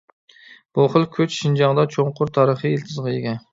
بۇ خىل كۈچ شىنجاڭدا چوڭقۇر تارىخىي يىلتىزغا ئىگە.